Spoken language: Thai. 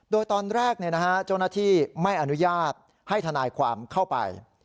โดยตอนแรกเจ้าหน้าที่ไม่อนุญาตให้ทนายความเข้าไป